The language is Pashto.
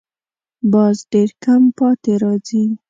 باز ډېر کم پاتې راځي